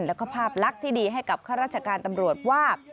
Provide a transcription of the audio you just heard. แล้วก็ภาพลักษณ์ที่ดีให้กับข้าราชการตำรวจว่า